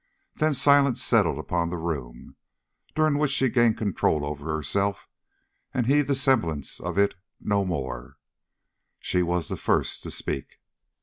Then silence settled upon the room, during which she gained control over herself, and he the semblance of it if no more. She was the first to speak.